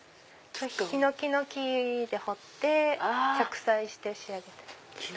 ヒノキの木で彫って着彩して仕上げてます。